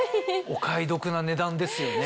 お買い得な値段ですよね。